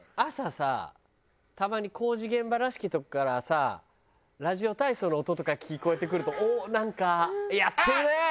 朝さたまに工事現場らしきとこからさラジオ体操の音とか聞こえてくるとおっなんかやってるね！